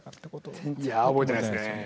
いや覚えてないですね。